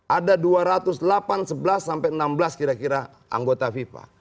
ada dua ratus delapan sebelas sampai enam belas kira kira anggota fifa